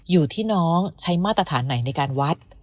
อยู่ที่น้องใช้มาตรฐานไหนในการวัด